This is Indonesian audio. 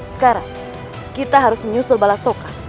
sekarang kita harus menyusul balasokan